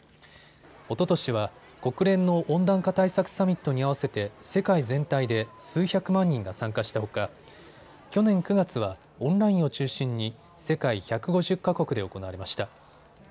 おととしは国連の温暖化対策サミットに合わせて世界全体で数百万人が参加したほか去年９月はオンラインを中心に世界１５０か国で行われました。